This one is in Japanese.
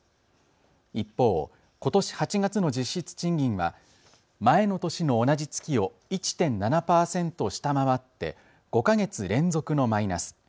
一方、ことし８月の実質賃金は前の年の同じ月を１．７％下回って５か月連続のマイナス。